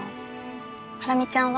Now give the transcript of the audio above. ハラミちゃんは？